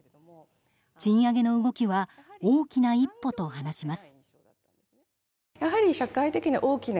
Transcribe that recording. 賃上げの動きは大きな一歩と話します。